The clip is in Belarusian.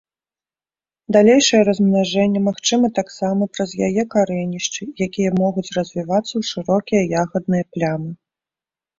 Далейшае размнажэнне магчыма таксама праз яе карэнішчы, якія могуць развівацца ў шырокія ягадныя плямы.